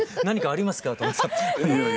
何かありますか？